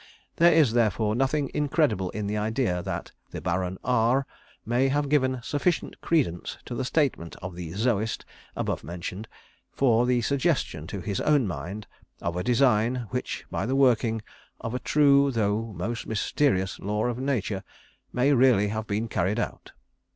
There is, therefore, nothing incredible in the idea that the Baron R may have given sufficient credence to the statement of the 'Zoist,' above mentioned, for the suggestion to his own mind of a design, which by the working of a true, though most mysterious, law of Nature, may really have been carried out.